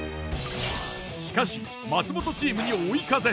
しかし松本チームに追い風。